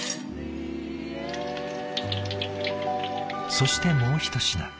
そしてもうひと品。